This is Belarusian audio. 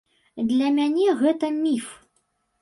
Для мяне гэта міф.